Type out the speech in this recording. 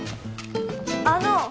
あの！